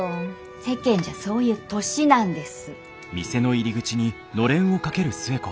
世間じゃそういう年なんです。